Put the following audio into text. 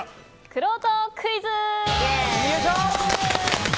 くろうとクイズ！